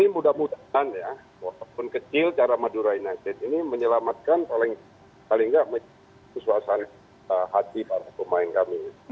mudah mudahan ya walaupun kecil cara madura united ini menyelamatkan paling nggak kesuasaan hati para pemain kami